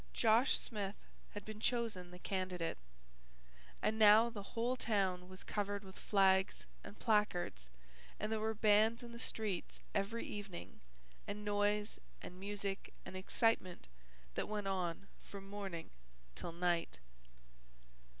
Josh Smith had been chosen the candidate. And now the whole town was covered with flags and placards and there were bands in the streets every evening, and noise and music and excitement that went on from morning till night.